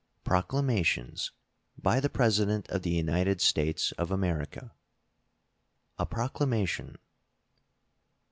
PROCLAMATIONS. BY THE PRESIDENT OF THE UNITED STATES OF AMERICA. A PROCLAMATION.